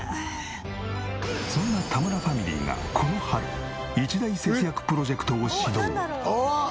そんな田村ファミリーがこの春一大節約プロジェクトを始動。